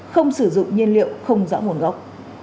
không sử dụng nhiên liệu không rõ nguồn gốc